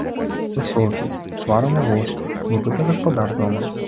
Высокі, з тварам у воспе, нібыта гаспадар дома.